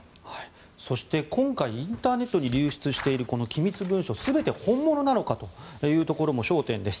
そして今回、インターネットに流出しているこの機密文書全て本物なのかも焦点です。